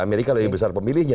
amerika lebih besar pemilihnya